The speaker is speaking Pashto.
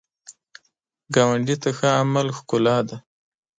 ګاونډي ته ښه عمل ښکلا ده